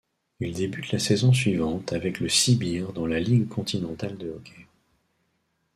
Il débute la saison suivante avec le Sibir dans la Ligue continentale de hockey.